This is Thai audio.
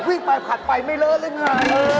วิ่งไปผัดไปไม่เลิกเลยไง